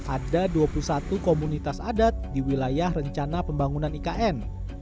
ada dua puluh satu komunitas adat di wilayah rencana pembangunan ikn